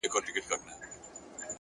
ه یاره دا زه څه اورمه ـ څه وینمه ـ